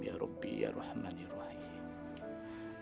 ya rabbi ya rahmanirrahim